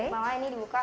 pertama ini dibuka